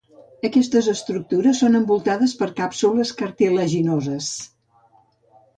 Aquestes estructures són envoltades per càpsules cartilaginoses.